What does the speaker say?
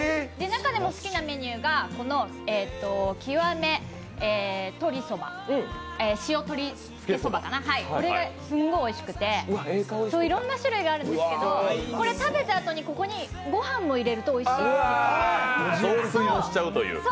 中でも好きなメニューが、この極め塩‐とりつけそば、これがすごいおいしくて、いろんな種類があるんですけどこれ食べたあとに、ここにご飯を入れるとおいしい。